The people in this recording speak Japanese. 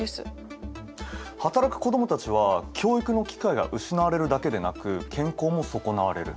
働く子どもたちは教育の機会が失われるだけでなく健康も損なわれる。